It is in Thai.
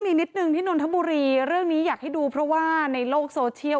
มีนิดนึงที่นนทบุรีเรื่องนี้อยากให้ดูเพราะว่าในโลกโซเชียล